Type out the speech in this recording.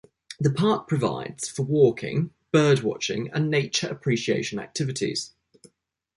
The park provides for walking, bird watching and nature appreciation activities.